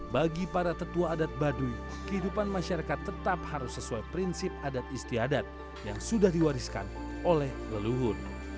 bagi para tetua adat baduy kehidupan masyarakat tetap harus sesuai prinsip adat istiadat yang sudah diwariskan oleh leluhur